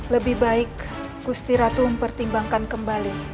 lebih baik gusti ratu mempertimbangkan kembali